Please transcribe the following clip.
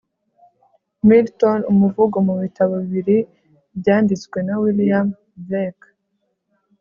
milton umuvugo mu bitabo bibiri byanditswe na william blake